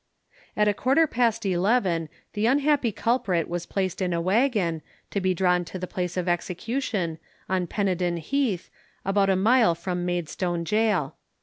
At a quarter past eleven the unhappy culprit was placed in a waggon, to be drawn to the place of execution, on Pennenden heath, about a mile from Maidstone gaol.